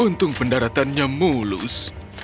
untung pendaratannya mulus